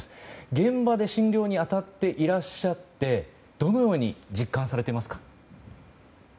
現場で診療に当たられていてどのように実感されていますか。